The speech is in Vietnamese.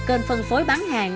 kênh phân phối bán hàng